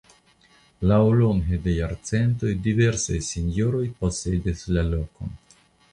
Laŭlonge de jarcentoj diversaj senjoroj posedis la lokon.